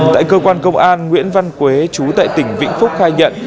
tại cơ quan công an nguyễn văn quế chú tại tỉnh vĩnh phúc khai nhận